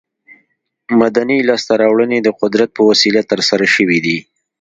مدني لاسته راوړنې د قدرت په وسیله تر لاسه شوې دي.